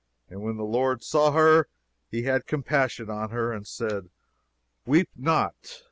"And when the Lord saw her, he had compassion on her, and said, Weep not.